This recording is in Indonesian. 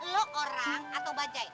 lo orang atau bajaj